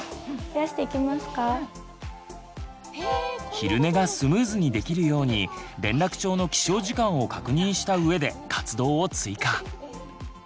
昼寝がスムーズにできるように連絡帳の起床時間を確認した上で活動を追加。